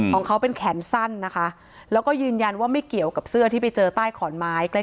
ของเขาเป็นแขนสั้นนะคะแล้วก็ยืนยันว่าไม่เกี่ยวกับเสื้อที่ไปเจอใต้ขอนไม้ใกล้